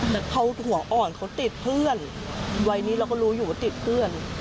แต่เขาหัวอ่อนเขาติดเพื่อนวัยนี้เราก็รู้อยู่ว่าติดเพื่อน